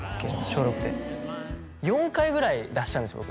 小６で４回ぐらい出したんですよ